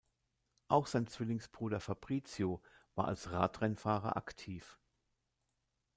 Auch sein Zwillingsbruder Fabricio war als Radrennfahrer aktiv.